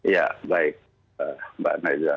ya baik mbak naiza